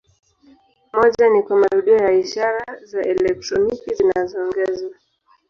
Moja ni kwa marudio ya ishara za elektroniki zinazoongezwa.